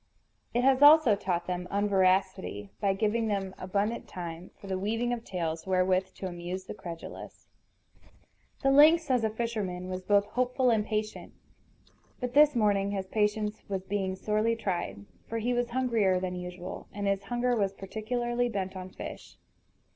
It has also taught them unveracity, by giving them abundant time for the weaving of tales wherewith to amuse the credulous. The lynx, as a fisherman, was both hopeful and patient. But this morning his patience was being sorely tried; for he was hungrier than usual, and his hunger was particularly bent on fish.